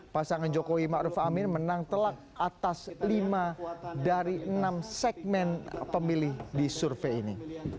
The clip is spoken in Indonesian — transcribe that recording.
pasangan jokowi ⁇ maruf ⁇ amin menang telak atas lima dari enam segmen pemilih di survei ini